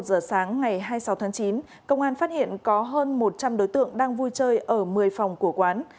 một giờ sáng ngày hai mươi sáu tháng chín công an phát hiện có hơn một trăm linh đối tượng đang vui chơi ở một mươi phòng của quán